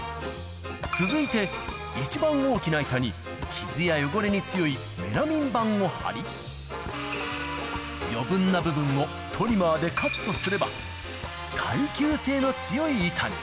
続いて、一番大きな板に傷や汚れに強いメラミン板を貼り、余分な部分をトリマーでカットすれば、耐久性の強い板に。